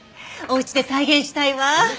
おうちで再現したいわ。